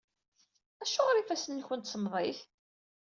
Acuɣer ifassen-nwent semmḍit?